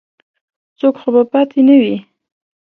څوک خو به پاتې نه وي.